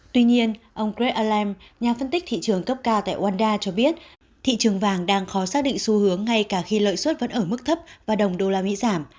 tuy nhiên ông greg alam nhà phân tích thị trường cấp cao tại wanda cho biết thị trường vàng đang khó xác định xu hướng ngay cả khi lợi suất vẫn ở mức thấp và đồng usd giảm